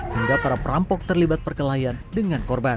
hingga para perampok terlibat perkelahian dengan korban